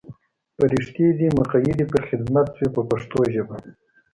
فرښتې دې مقیدې پر خدمت شوې په پښتو ژبه.